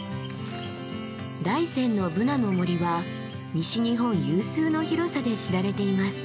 大山のブナの森は西日本有数の広さで知られています。